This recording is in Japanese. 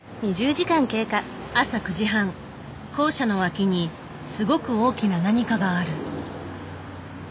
朝９時半校舎の脇にすごく大きな何かがある。